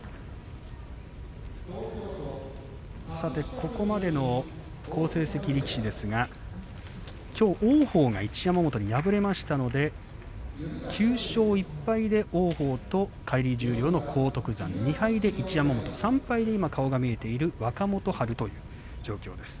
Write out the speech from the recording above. ここまでの好成績力士ですが、きょう王鵬が一山本に敗れましたので９勝１敗で王鵬と返り十両の荒篤山２敗に一山本３敗に今、顔が見えている若元春。